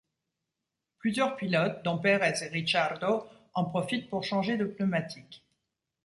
Plusieurs pilotes, dont Pérez et Ricciardo, en profitent pour changer de pneumatiques.